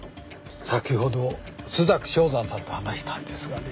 先ほど朱雀正山さんと話したんですがね